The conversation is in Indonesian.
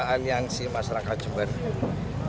aliansi masyarakat jemberan